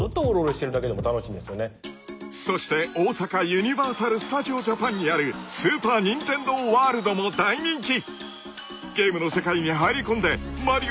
［そして大阪ユニバーサル・スタジオ・ジャパンにあるスーパー・ニンテンドー・ワールドも大人気！］